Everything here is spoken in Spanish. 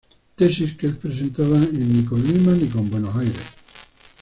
Tesis que es presentada en "Ni con Lima ni con Buenos Aires".